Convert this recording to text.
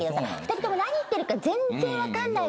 ２人とも何言ってるか全然分かんない。